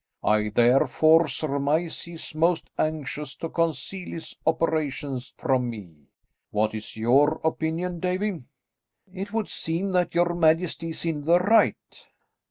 I therefore surmise he is most anxious to conceal his operations from me. What is your opinion, Davie?" "It would seem that your majesty is in the right."